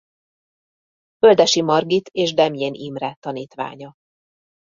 Földessy Margit és Demjén Imre tanítványa.